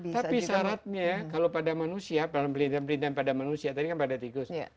tapi syaratnya kalau pada manusia perlintahan perlintahan pada manusia tadi kan pada tikus